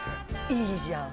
いいじゃん。